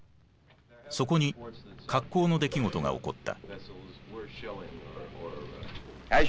そこに格好の出来事が起こった。